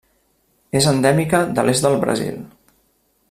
És endèmica de l'est del Brasil.